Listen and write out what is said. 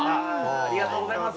ありがとうございます。